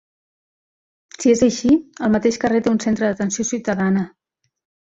Si és així, al mateix carrer té un centre d'atenció ciutadana.